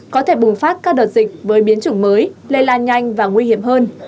có thể bùng phát các đợt dịch với biến chủng mới lây lan nhanh và nguy hiểm hơn